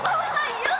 よし！